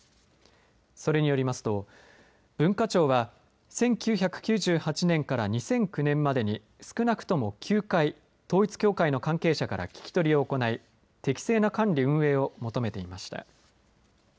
それによりますと文化庁は１９９８年から２００９年までに、少なくとも９回、統一教会の関係者から聞き取りを行い適正な管理運営を求めていました。